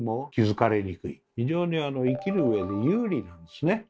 非常に生きるうえで有利なんですね。